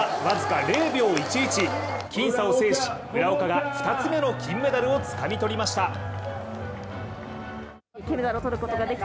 僅差を制し村岡が２つ目の金メダルをつかみ取りました。